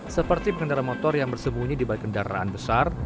seperti pengendara motor yang bersembunyi di balik kendaraan besar